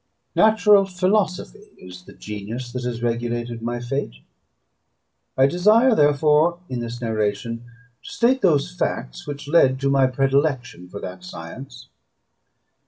Natural philosophy is the genius that has regulated my fate; I desire, therefore, in this narration, to state those facts which led to my predilection for that science.